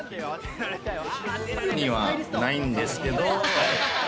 特にはないんですけれど。